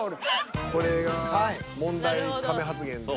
これが問題カメ発言です。